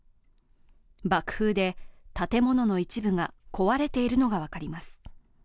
爆風で建物の一部が壊れているのが分かります。